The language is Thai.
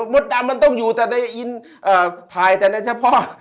ดำมันต้องอยู่แต่ในอินถ่ายแต่ในเฉพาะ